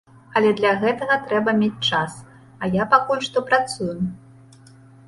Але для гэтага трэба мець час, а я пакуль што працую.